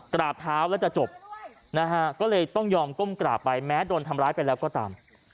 กราบเท้าแล้วจะจบนะฮะก็เลยต้องยอมก้มกราบไปแม้โดนทำร้ายไปแล้วก็ตาม